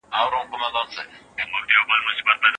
نوي تخنيکي معلومات زده کړئ.